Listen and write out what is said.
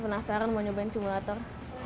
penasaran mau nyobain simulator